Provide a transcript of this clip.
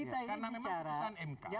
karena memang putusan mk